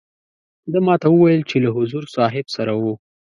ده ما ته وویل چې له حضور صاحب سره وو.